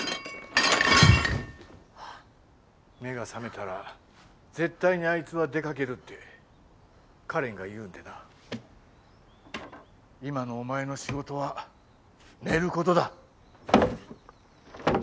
目が覚めたら絶対にあいつは出かけるってカレンが言うんでな今のお前の仕事は寝ることだ